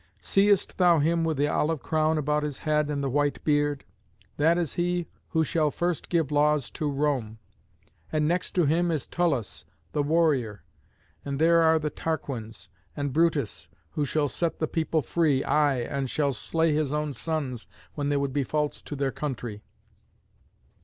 Seest thou him with the olive crown about his head and the white beard? That is he who shall first give laws to Rome. And next to him is Tullus, the warrior. And there are the Tarquins; and Brutus, who shall set the people free, aye, and shall slay his own sons when they would be false to their country.